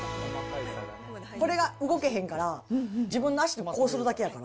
これが動けへんから、自分の足をこうするだけやから。